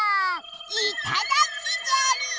いただきじゃりー！